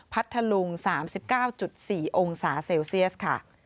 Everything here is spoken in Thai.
พัทธลุง๓๙๔องศาเซลเซียสค่ะ